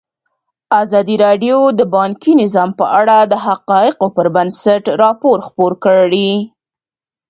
ازادي راډیو د بانکي نظام په اړه د حقایقو پر بنسټ راپور خپور کړی.